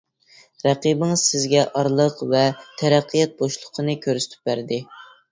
رەقىبىڭىز سىزگە ئارىلىق ۋە تەرەققىيات بوشلۇقىنى كۆرسىتىپ بەردى.